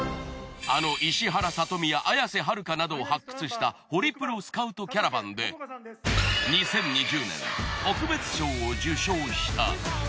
あの石原さとみや綾瀬はるかなどを発掘したホリプロスカウトキャラバンで２０２０年。